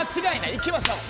行きましょう。